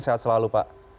sehat selalu pak